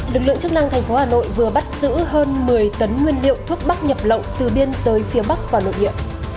lực lượng chức năng thành phố hà nội vừa bắt giữ hơn một mươi tấn nguyên liệu thuốc bắc nhập lộn từ biên giới phía bắc và lội địa